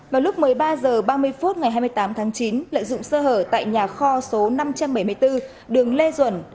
vào lúc một mươi ba h ba mươi phút ngày hai mươi tám tháng chín lợi dụng sơ hở tại nhà kho số năm trăm bảy mươi bốn đường lê duẩn